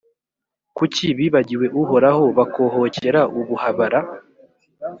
kucyi bibagiwe Uhoraho, bakohokera ubuhabara.